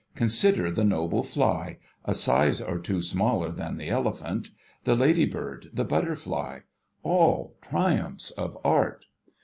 Consider the noble fly, a size or two smaller than the elephant : the lady bird, the butterfly — all triumphs of art